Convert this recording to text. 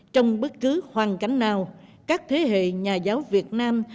trong bất cứ hoàn cảnh nào các thế hệ nhà giáo việt nam